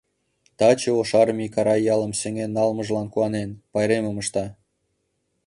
Таче ош армий Карай ялым сеҥен налмыжлан куанен, пайремым ышта.